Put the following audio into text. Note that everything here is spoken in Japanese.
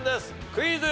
クイズ。